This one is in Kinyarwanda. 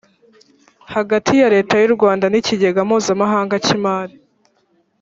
hagati ya leta y u rwanda n ikigega mpuzamahanga cy imari